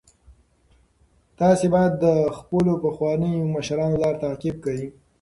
تاسي باید د خپلو پخوانیو مشرانو لار تعقیب کړئ.